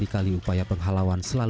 ia diponis anemia berat